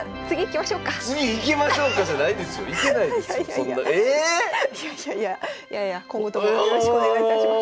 ⁉いやいやいやいやいや今後ともよろしくお願いいたします。